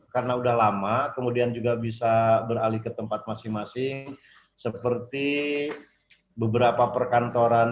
karena udah lama kemudian juga bisa beralih ke tempat masing masing seperti beberapa perkantoran